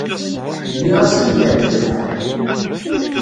Nniɣ-as am yeεǧeb lḥal.